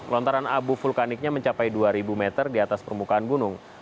lontaran abu vulkaniknya mencapai dua ribu meter di atas permukaan gunung